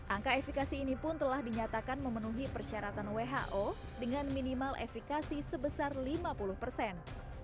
angka efekasi ini pun telah dinyatakan memenuhi persyaratan who dengan minimal efekasi sebesar lima puluh persen